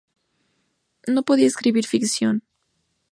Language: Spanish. No podría escribir ficción.